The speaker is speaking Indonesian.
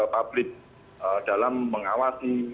publik dalam mengawasi